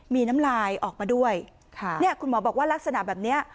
มีน้ำลายออกมาด้วยค่ะเนี่ยคุณหมอบอกว่าลักษณะแบบเนี้ย